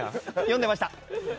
読んでました。